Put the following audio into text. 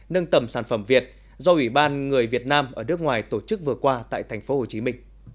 nâng tầm sản phẩm việt do ủy ban người việt nam ở nước ngoài tổ chức vừa qua tại tp hcm